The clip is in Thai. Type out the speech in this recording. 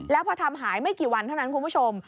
แล้วพอทำหายไม่กี่วันเท่านั้นคุณผู้ชม